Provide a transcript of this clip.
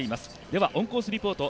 では、オンコースリポート。